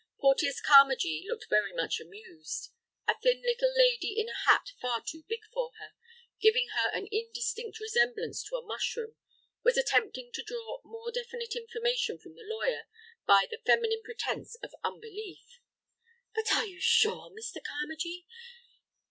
Porteus Carmagee looked very much amused. A thin little lady in a hat far too big for her, giving her an indistinct resemblance to a mushroom, was attempting to draw more definite information from the lawyer by the feminine pretence of unbelief. "But are you sure, Mr. Carmagee?